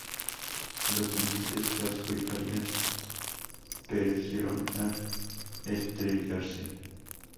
Los tenientes Casco y Farias perecieron al estrellarse.